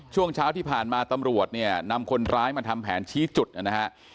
ช่วงเช้าที่ผ่านมาตำรวจเนี่ยนำคนร้ายมาทำแผนชี้จุดนะฮะ